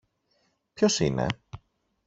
Ποιος είναι;